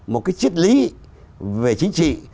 một cái triết lý về chính trị